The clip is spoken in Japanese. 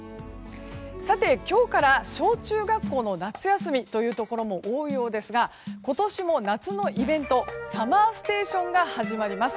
さて、今日から小中学校の夏休みというところも多いようですが今年も夏のイベント「ＳＵＭＭＥＲＳＴＡＴＩＯＮ」が始まります。